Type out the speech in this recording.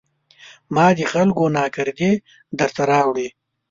ما د خلکو ناکردې درته راوړي